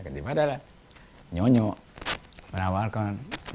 ketika adalah nyonyok penawarkan